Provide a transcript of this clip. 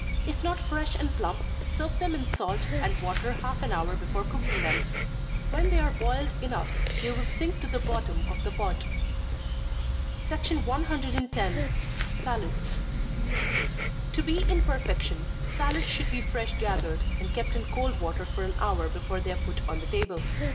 If not fresh and plump, soak them in salt and water half an hour before cooking them. When they are boiled enough, they will sink to the bottom of the pot. 110. Salads. To be in perfection, salads should be fresh gathered, and kept in cold water for an hour before they are put on the table.